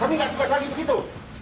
kami gak suka saling begitu